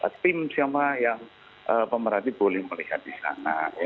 tim sama yang pemerhati boleh melihat di sana